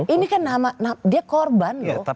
ini kan nama dia korban loh